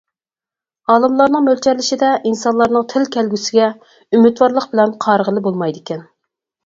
ئالىملارنىڭ مۆلچەرلىشىچە، ئىنسانلارنىڭ تىل كەلگۈسىگە ئۈمىدۋارلىق بىلەن قارىغىلى بولمايدىكەن.